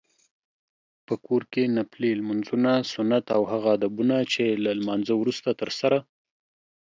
په کور کې نفلي لمونځونه، سنت او هغه ادبونه چې له لمانځته وروسته ترسره